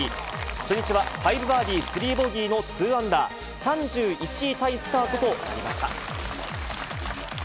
初日は５バーディー３ボギーの２アンダー、３１位タイスタートとなりました。